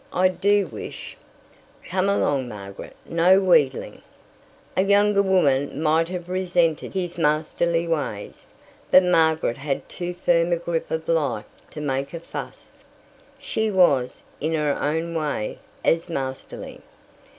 I do wish " "Come along, Margaret; no wheedling." A younger woman might have resented his masterly ways, but Margaret had too firm a grip of life to make a fuss. She was, in her own way, as masterly.